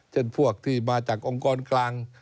เช่นพวกที่มาจากองค์กรกลาง